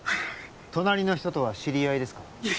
隣の人とは知り合いですか？